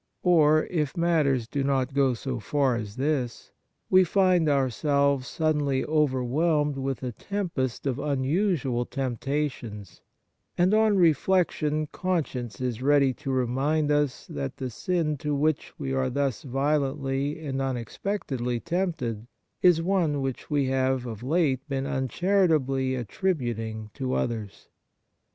Or, if matters do not go so far as this, we find ourselves suddenly overwhelmed with a tempest of unusual temptations, and on reflection con science is ready to remind us that the sin to which we are thus violently and unex pectedly tempted is one which we have of late been uncharitably attributing to others.